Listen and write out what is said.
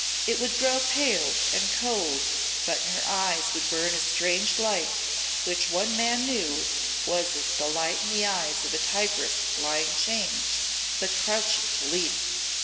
It would grow pale and cold; but in her eyes would burn a strange light which one man knew was as the light in the eyes of a tigress lying chained, but crouching to leap.